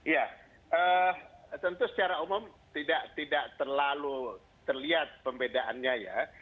ya tentu secara umum tidak terlalu terlihat pembedaannya ya